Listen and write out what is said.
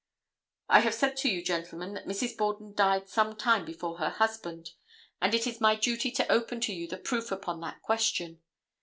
I have said to you, gentlemen, that Mrs. Borden died some time before her husband, and it is my duty to open to you the proof upon that question.